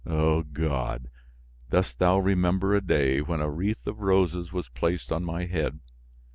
O God! dost thou remember a day when a wreath of roses was placed on my head?